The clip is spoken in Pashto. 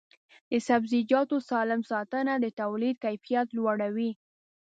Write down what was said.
د سبزیجاتو سالم ساتنه د تولید کیفیت لوړوي.